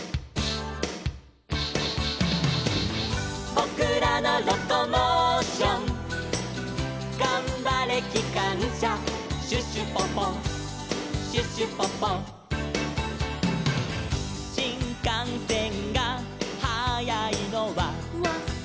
「ぼくらのロコモーション」「がんばれきかんしゃ」「シュシュポポシュシュポポ」「しんかんせんがはやいのは」